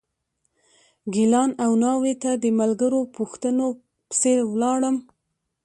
ګیلان او ناوې ته د ملګرو پوښتنو پسې ولاړم.